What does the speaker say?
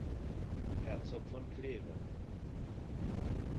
Herzog von Kleve.